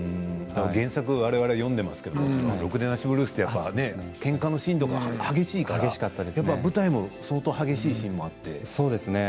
原作、われわれ読んでいますけど「ろくでなしＢＬＵＥＳ」でけんかのシーンとか激しいから舞台も相当激しいシーンもあって。